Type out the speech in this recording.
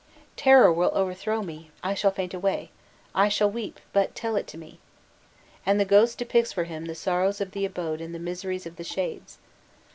'Terror will overthrow me, I shall faint away, I shall weep, but tell it to me.'" And the ghost depicts for him the sorrows of the abode and the miseries of the shades.